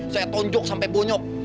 saya tonjok sampai bonyok